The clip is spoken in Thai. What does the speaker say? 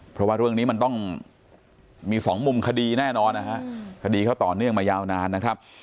เพราะว่าเรื่องนี้มันต้องมีสองมุมคดีแน่นอนนะฮะคดีเขาต่อเนื่องมายาวนานนะครับ